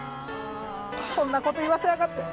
こんな事言わせやがって。